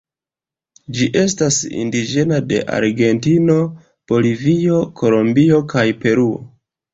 Ĝi estas indiĝena de Argentino, Bolivio, Kolombio kaj Peruo.